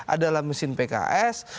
adalah mesin pks